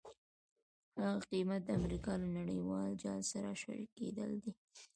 هغه قیمت د امریکا له نړیوال جال سره شریکېدل دي.